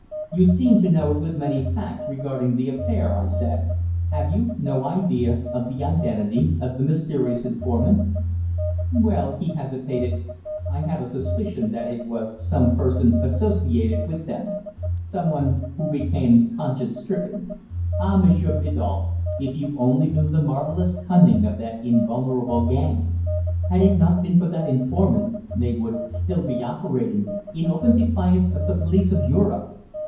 "You seem to know a good many facts regarding the affair," I said. "Have you no idea of the identity of the mysterious informant?" "Well" he hesitated "I have a suspicion that it was some person associated with them some one who became conscience stricken. Ah! M'sieur Biddulph, if you only knew the marvellous cunning of that invulnerable gang. Had it not been for that informant, they would still be operating in open defiance of the police of Europe.